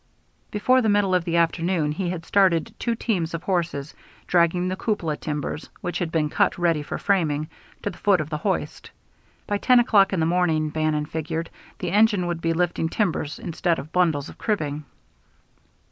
Before the middle of the afternoon he had started two teams of horses dragging the cupola timbers, which had been cut ready for framing, to the foot of the hoist. By ten o'clock in the morning, Bannon figured, the engine would be lifting timbers instead of bundles of cribbing.